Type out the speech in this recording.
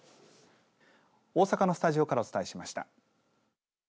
大阪のスタジオからお伝えしました。